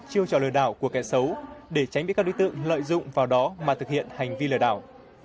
chiêu trò lừa đảo của kẻ xấu để tránh bị các đối tượng lợi dụng vào đó mà thực hiện hành vi lừa đảo